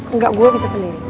enggak gue bisa sendiri